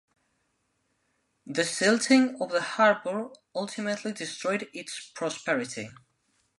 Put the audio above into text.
The silting of the harbour ultimately destroyed its prosperity.